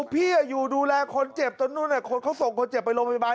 พี่อยู่ดูแลคนเจ็บจนนู่นคนเขาส่งคนเจ็บไปโรงพยาบาล